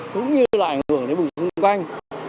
cũng như là ảnh hưởng đến bụng xung quanh